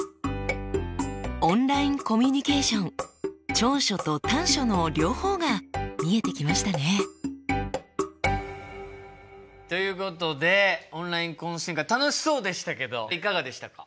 オンラインコミュニケーション長所と短所の両方が見えてきましたね。ということでオンライン懇親会楽しそうでしたけどいかがでしたか？